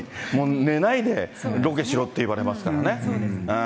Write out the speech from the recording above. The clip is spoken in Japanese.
寝ないでロケしろって言われますからね。